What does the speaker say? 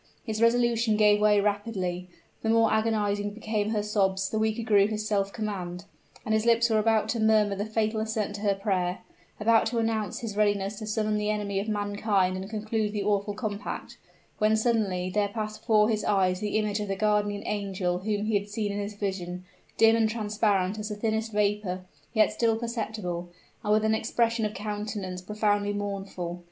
His resolution gave way rapidly the more agonizing became her sobs the weaker grew his self command; and his lips were about to murmur the fatal assent to her prayer about to announce his readiness to summon the enemy of mankind and conclude the awful compact when suddenly there passed before his eyes the image of the guardian angel whom he had seen in his vision, dim and transparent as the thinnest vapor, yet still perceptible and with an expression of countenance profoundly mournful.